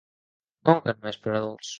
Com que només per a adults?